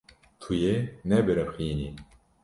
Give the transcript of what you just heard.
Tu yê nebiriqînî.